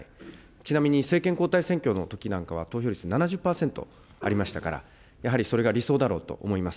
ちなみに政権交代選挙のときなんかは、投票率７０％ありましたから、やはりそれが理想だろうと思います。